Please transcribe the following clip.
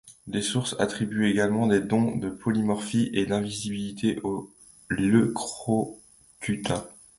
Des sources attribuent également des dons de polymorphie et d'invisibilité au leucrocuta.